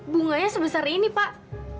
bunganya sebesar ini pak